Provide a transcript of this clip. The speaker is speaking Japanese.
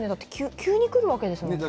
急に出るんですもんね。